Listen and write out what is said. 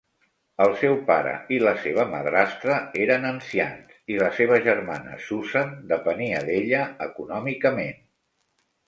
El seu pare i la seva madrastra eren ancians, i la seva germana Susan depenia d'ella econòmicament.